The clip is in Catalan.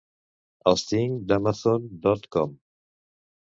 Els tinc d'Amazon dot com.